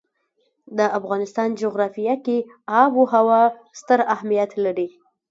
د افغانستان جغرافیه کې آب وهوا ستر اهمیت لري.